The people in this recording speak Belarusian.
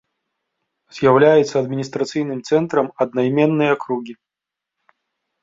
З'яўляецца адміністрацыйным цэнтрам аднайменнай акругі.